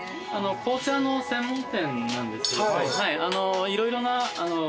紅茶の専門店なんですけど。